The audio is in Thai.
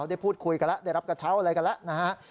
ได้พูดคุยกันแล้วได้รับกระเช้าอะไรกันแล้วนะฮะ